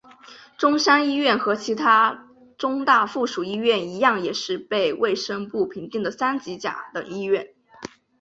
中山一院和其它中大附属医院一样也是被卫生部评定的三级甲等医院。